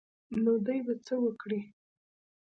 نو دوى به څه وکړي.